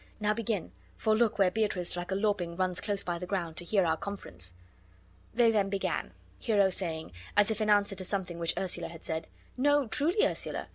Now begin; for look where Beatrice like a lapwing runs close by the ground, to hear our conference." They then began, Hero saying', as if in answer to something which Ursula had said: "No, truly, Ursula.